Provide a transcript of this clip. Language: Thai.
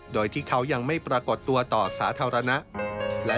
โดยที่เขายังไม่ปรากฏตัวต่อสาธารณะ